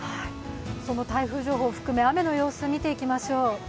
その台風情報を含め、雨の様子を見ていきましょう。